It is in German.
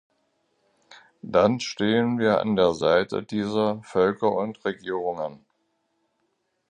Dann stehen wir an der Seite dieser Völker und Regierungen.